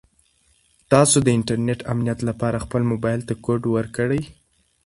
تاسو د انټرنیټي امنیت لپاره خپل موبایل ته کوډ ورکړئ.